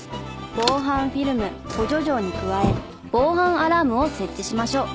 防犯フィルム補助錠に加え防犯アラームを設置しましょう。